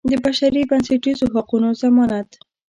د بشري بنسټیزو حقوقو ضمانت.